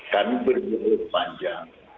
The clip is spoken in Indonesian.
kami berdua berdua panjang